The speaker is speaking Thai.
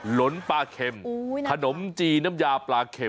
หลนปลาเข็มขนมจีน้ำยาปลาเข็ม